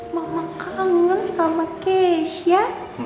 mama kangen sama keisha